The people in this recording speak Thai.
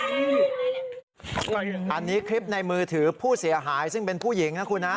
อันนี้คลิปในมือถือผู้เสียหายซึ่งเป็นผู้หญิงนะคุณนะ